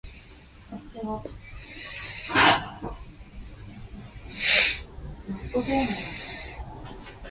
Messerschmitt outmanoeuvred Milch, circumventing the ban and successfully submitting a design.